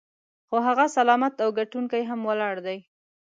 خو هغه سلامت او ګټونکی هم ولاړ دی.